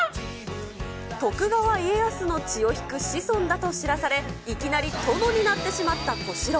徳川家康の血を引く子孫だと知らされ、いきなり殿になってしまった小四郎。